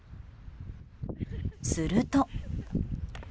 すると。